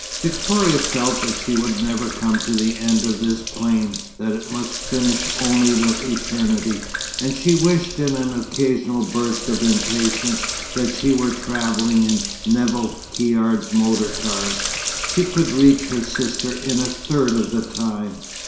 Victoria felt that she would never come to the end of this plain, that it must finish only with eternity; and she wished in an occasional burst of impatience that she were travelling in Nevill Caird's motor car. She could reach her sister in a third of the time!